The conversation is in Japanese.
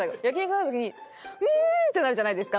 食べた時にうーんってなるじゃないですか。